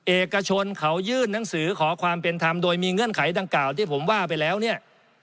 เอกชนเขายื่นหนังสือขอความเป็นธรรมโดยมีเงื่อนไขดังกล่าวที่ผมว่าไปแล้วเนี่ย